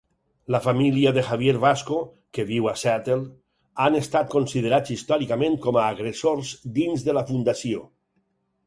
La família de Javier Vasco, que viu a Seattle, han estat considerats històricament com a agressors dins de la fundació.